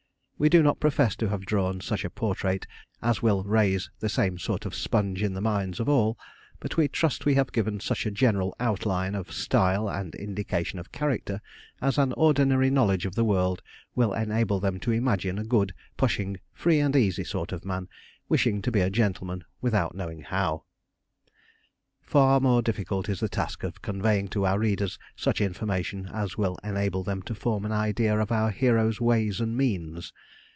We do not profess to have drawn such a portrait as will raise the same sort of Sponge in the minds of all, but we trust we have given such a general outline of style, and indication of character, as an ordinary knowledge of the world will enable them to imagine a good, pushing, free and easy sort of man, wishing to be a gentleman without knowing how. Far more difficult is the task of conveying to our readers such information as will enable them to form an idea of our hero's ways and means.